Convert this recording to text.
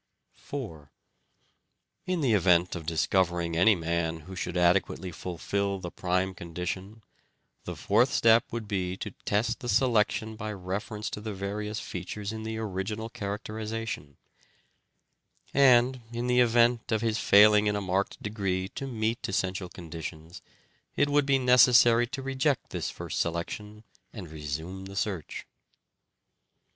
4. In the event of discovering any man who should adequately fulfil the prime condition, the fourth step would be to test the selection by reference to the various features in the original characterization; and, in the event of his failing in a marked degree to meet essential conditions, it would be necessary to reject this first selection and resume the search.